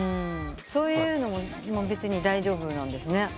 そういうのも別に大丈夫なんですね。